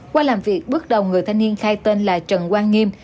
qua làm việc bước đầu người thanh niên khai tên là trần quang nghiêm